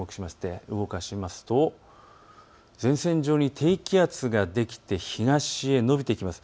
動かしますと前線上に低気圧ができて東へ延びていきます。